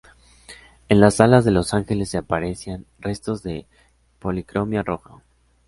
En las alas de los ángeles se aprecian restos de policromía roja.